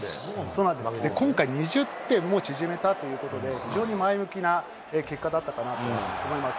今回２０点を縮めたということで、非常に前向きな結果だったかなと思います。